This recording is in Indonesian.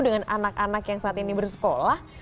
dengan anak anak yang saat ini bersekolah